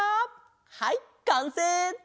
はいかんせい！